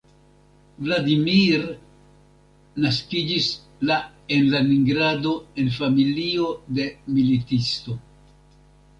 Vladimir naskiĝis la en Leningrado en familio de militisto.